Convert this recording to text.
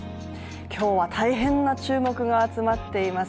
今日は大変な注目が集まっています